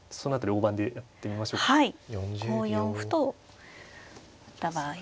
５四歩と打った場合ですね。